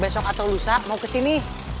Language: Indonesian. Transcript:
besok atau lusa mau kesini